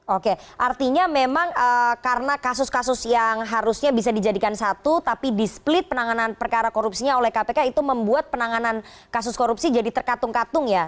oke artinya memang karena kasus kasus yang harusnya bisa dijadikan satu tapi di split penanganan perkara korupsinya oleh kpk itu membuat penanganan kasus korupsi jadi terkatung katung ya